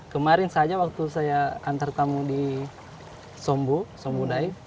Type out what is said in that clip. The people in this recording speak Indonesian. kemarin saja waktu saya antar tamu di sombo sombodai